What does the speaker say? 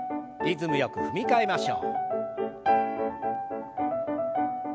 リズムよく踏み替えましょう。